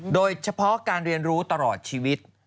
โดยเฉพาะการเรียนรู้ตลอดชีวิต